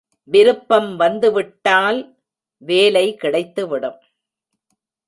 விருப்பம் வந்துவிட்டால் வேலை கிடைத்துவிடும்.